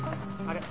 あれ？